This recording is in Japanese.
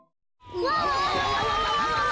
うわ！